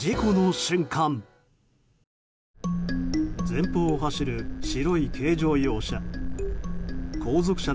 前方を走る白い軽乗用車。